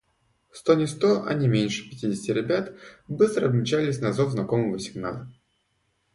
Сто не сто, а не меньше пятидесяти ребят быстро мчались на зов знакомого сигнала.